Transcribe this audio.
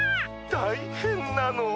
たいへんなの。